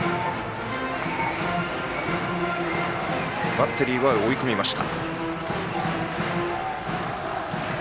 バッテリーは追い込みました。